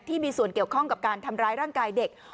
ที่มีส่วนเกี่ยวข้องกับการทำร้ายร่างกายเด็ก